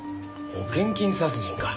保険金殺人か。